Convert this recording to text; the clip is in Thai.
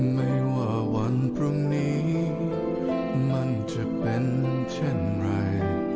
ไม่ว่าวันพรุ่งนี้มันจะเป็นเช่นไร